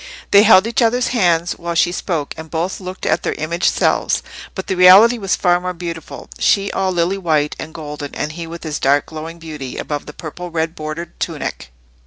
They held each other's hands while she spoke, and both looked at their imaged selves. But the reality was far more beautiful; she all lily white and golden, and he with his dark glowing beauty above the purple red bordered tunic.